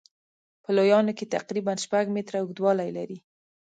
په لویانو کې تقریبا شپږ متره اوږدوالی لري.